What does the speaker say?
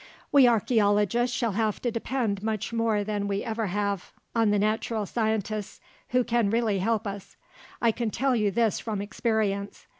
We archeologists shall have to depend much more than we ever have on the natural scientists who can really help us. I can tell you this from experience.